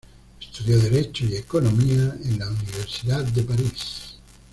Estudió derecho y economía en la Universidad de París.